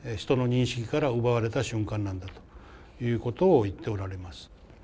人の認識から奪われた瞬間なんだということを言っておられます。